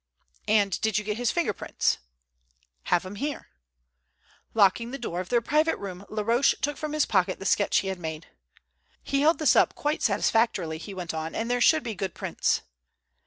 "And did you get his finger prints?" "Have 'em here." Locking the door of their private room, Laroche took from his pocket the sketch he had made. "He held this up quite satisfactorily," he went on, "and there should be good prints."